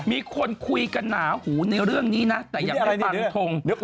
มีคนคุยกันหนาหูในเรื่องนี้นะแต่ยังไม่ฟังทง